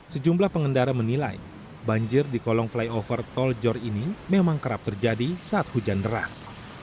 sejumlah pengendara menilai banjir di kolong flyover tol jor ini memang kerap terjadi saat hujan deras